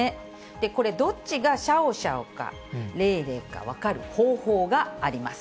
これ、どっちがシャオシャオか、レイレイか分かる方法があります。